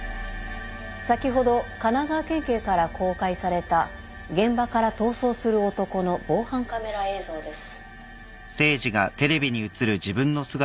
先ほど神奈川県警から公開された現場から逃走する男の防犯カメラ映像です。